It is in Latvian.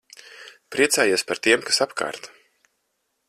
Priecājies par tiem, kas apkārt.